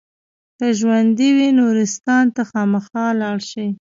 که ژوندي وي نورستان ته خامخا لاړ شئ.